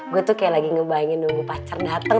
gue tuh kayak lagi ngebayangin nunggu pacar datang